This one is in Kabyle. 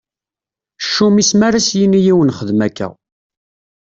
Ccum-is mi ara s-yini yiwen xdem akka.